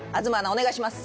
お願いします